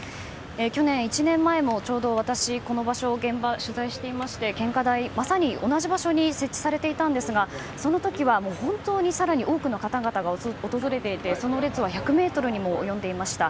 去年、１年前もちょうど私この場所、現場を取材して献花台、まさに同じ場所に設置されていたんですがそのときは本当にさらに多くの方々が訪れていてその列は１００ｍにも及んでいました。